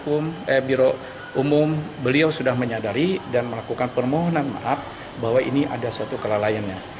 kami sudah konfirmasi dengan biro umum beliau sudah menyadari dan melakukan permohonan maaf bahwa ini ada suatu kelalaiannya